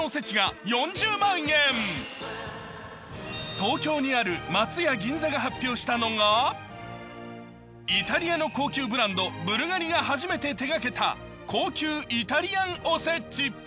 東京にある松屋銀座が発表したのがイタリアの高級ブランドブルガリが手がけた高級イタリアンおせち。